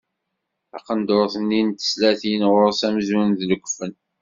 Taqendurt-nni n teslatin ɣur-s amzun d lekfen.